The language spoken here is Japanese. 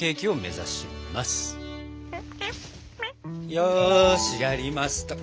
よしやりますか。